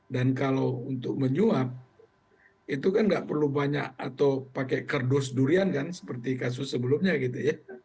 dan kalau untuk menyuap itu kan nggak perlu banyak atau pakai kerdus durian kan seperti kasus sebelumnya gitu ya